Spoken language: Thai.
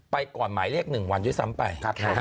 ไปก่อนหมายเรียก๑วันด้วยซ้ำไป